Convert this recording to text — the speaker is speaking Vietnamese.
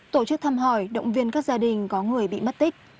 tổ chức thăm hỏi động viên các gia đình có người bị mất tích